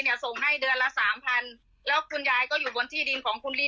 ส่งให้เดือนละสามพันแล้วคุณยายก็อยู่บนที่ดินของคุณลี